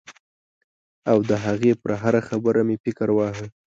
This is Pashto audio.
او د هغې پر هره خبره مې فکر واهه.